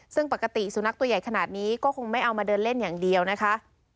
ซึ่งปกติสุนัขตัวใหญ่ขนาดนี้ก็คงไม่เอามาเดินเล่นอย่างเดียวนะคะ